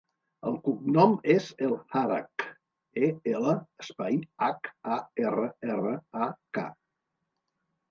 El cognom és El Harrak: e, ela, espai, hac, a, erra, erra, a, ca.